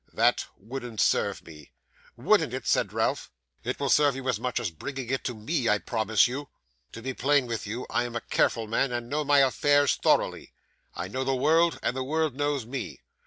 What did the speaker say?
'That wouldn't serve me.' 'Wouldn't it?' said Ralph. 'It will serve you as much as bringing it to me, I promise you. To be plain with you, I am a careful man, and know my affairs thoroughly. I know the world, and the world knows me.